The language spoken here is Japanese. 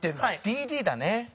ＤＤだね。